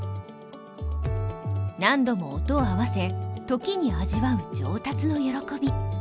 何度も音を合わせ時に味わう上達の喜び。